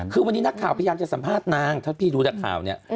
คือวันนี้นักข่าวพยายามจะสัมภาษณ์นางถ้าพี่ดูจากข่าวเนี่ย